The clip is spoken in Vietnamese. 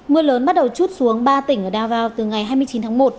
mưa lớn bắt đầu chút xuống ba tỉnh ở davao từ ngày hai mươi chín tháng một